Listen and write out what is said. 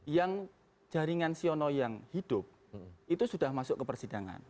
yang jaringan siono yang hidup itu sudah masuk ke persidangan